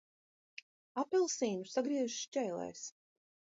Apelsīnu sagriež šķēlēs.